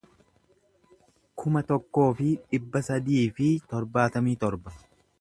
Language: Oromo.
kuma tokkoo fi dhibba sadii fi torbaatamii torba